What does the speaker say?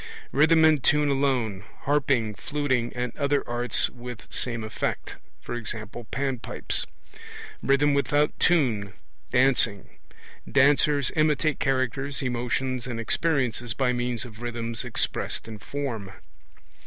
Rhythm and tune alone, harping, fluting, and other arts with same effect e.g. panpipes. Rhythm without tune: dancing. (Dancers imitate characters, emotions, and experiences by means of rhythms expressed in form.)